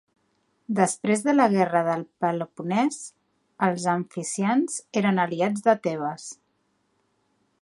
Després de la Guerra del Peloponès, els Amfissians eren aliats de Tebes.